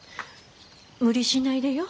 無理しないでよ。